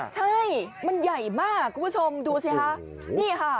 ใช่มันใหญ่มากคุณผู้ชมดูซิฮะ